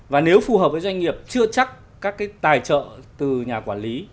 và nếu phù hợp với doanh nghiệp chưa chắc các cái tài trợ từ nhà quản lý